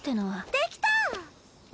できた！